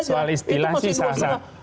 soal istilah sih sah sah